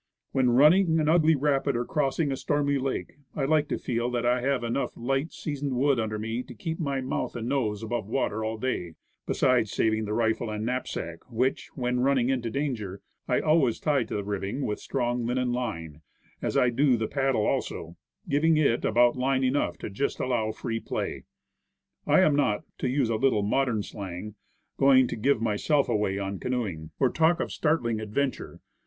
When running an ugly rapid or crossing a stormy lake, I like to feel that I have enough light, seasoned wood under me to keep my mouth and nose above water all day, besides saving the rifle and knapsack, which, when running into danger, I always tie to the ribbing with strong linen line, as I do the paddle also, giving it about line enough to just allow free play. r44 Woodcraft. I am not to use a little modern slang going to "give myself away" on canoeing, or talk of startling adventure.